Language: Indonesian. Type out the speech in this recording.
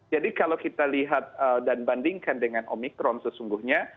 jadi kalau kita lihat dan bandingkan dengan omikron sesungguhnya